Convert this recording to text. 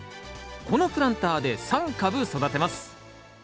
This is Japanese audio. このプランターで３株育てます。